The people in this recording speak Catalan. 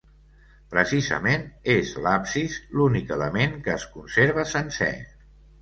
Precisament és l'absis l'únic element que es conserva sencer.